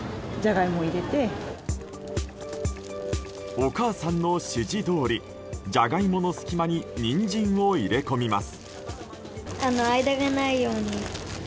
お母さんの指示どおりジャガイモの隙間にニンジンを入れ込みます。